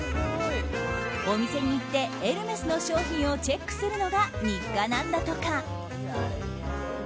お店に行ってエルメスの商品をチェックするのが日課なんだとか。